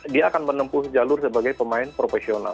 dia akan menempuh jalur sebagai pemain profesional